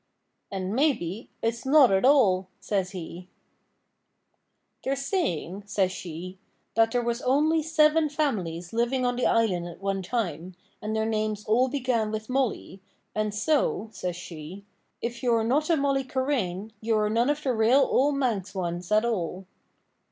'And, maybe, it's not at all,' says he. 'They're saying,' says she, 'that there was only seven families living on the islan' at one time, and their names all began with "Molly"; and so,' says she, 'if you are not a Mollycharaine, you are none of the rael, oul' Manx ones, at all.'